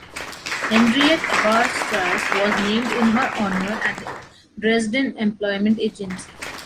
Henriette-Heber-Strasse was named in her honor at the Dresden Employment Agency.